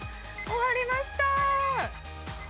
終わりました。